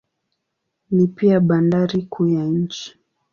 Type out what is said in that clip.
Ni pia bandari kuu ya nchi.